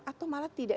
atau malah tidak